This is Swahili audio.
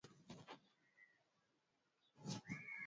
Vikundi elezi mwanzo vinaweza kuakifishwa kwa nunge au mkato.